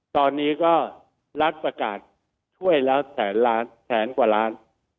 ตอนนี้ก็รัฐประกาศช่วยแล้วแสนล้านแสนกว่าล้าน